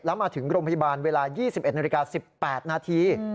แล้วมาถึงโรงพยาบาลเวลา๒๑นาฬิกา๑๘นาที